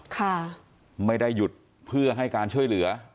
ค่ะไม่ได้หยุดเพื่อให้การช่วยเหลือ